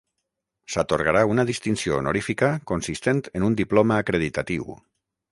S'atorgarà una distinció honorífica consistent en un diploma acreditatiu.